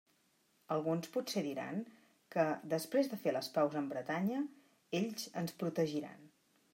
Alguns potser diran que, després de fer les paus amb Bretanya, ells ens protegiran.